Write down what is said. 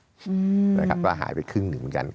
อืมนะครับก็หายไปครึ่งหนึ่งเหมือนกัน